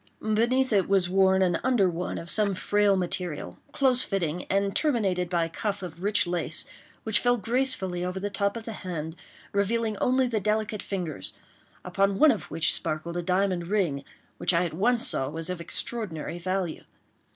Beneath it was worn an under one of some frail material, close fitting, and terminated by a cuff of rich lace, which fell gracefully over the top of the hand, revealing only the delicate fingers, upon one of which sparkled a diamond ring, which I at once saw was of extraordinary value.